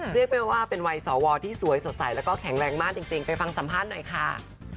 เรียกได้ว่าเป็นวัยสวที่สวยสดใสแล้วก็แข็งแรงมากจริงไปฟังสัมภาษณ์หน่อยค่ะ